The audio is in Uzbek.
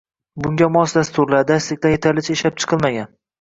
bunga mos dasturlar, darsliklar yetarlicha ishlab chiqilmagan